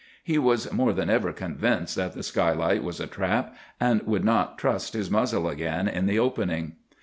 "He was more than ever convinced that the skylight was a trap, and would not trust his muzzle again in the opening.